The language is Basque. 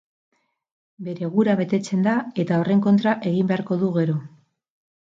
Bere gura betetzen da eta horren kontra egin beharko du gero.